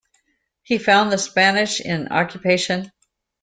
He found the Spanish in occupation.